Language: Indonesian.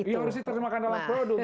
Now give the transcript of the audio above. itu harus diterjemahkan dalam produk